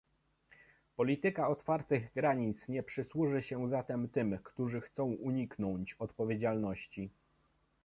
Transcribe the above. Polityka otwartych granic nie przysłuży się zatem tym, którzy chcą uniknąć odpowiedzialności